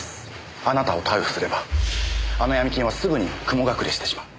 あなたを逮捕すればあのヤミ金はすぐに雲隠れしてしまう。